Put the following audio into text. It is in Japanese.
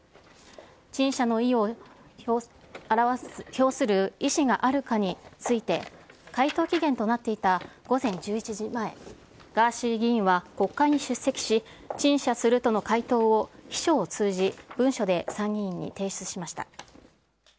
陳謝の意を表する意思があるかについて、回答期限となっていた午前１１時前、ガーシー議員は国会に出席し、陳謝するとの回答を秘書を通じ、文書で参議院に提出しました。